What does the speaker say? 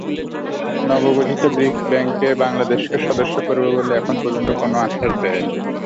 নবগঠিত BRICS bank বাংলাদেশকে সদস্য করবে বলে এখন পর্যন্ত কোনো আশ্বাস দেয়নি।